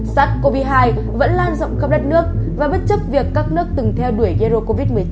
sát covid hai vẫn lan rộng khắp đất nước và bất chấp việc các nước từng theo đuổi zero covid một mươi chín